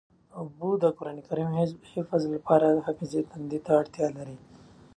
اوبه د قرآن کریم د حفظ لپاره حافظ تندې ته اړتیا لري.